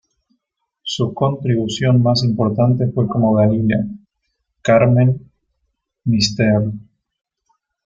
Su contribución más importante fue como Dalila, Carmen, Mrs.